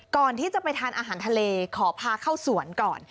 ก่อนที่จะไปทานอาหารทะเลขอพาเข้าสวนก่อน